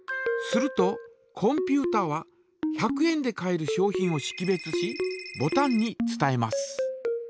するとコンピュータは１００円で買える商品をしき別しボタンに伝えます。